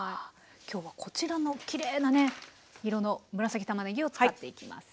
今日はこちらのきれいなね色の紫たまねぎを使っていきます。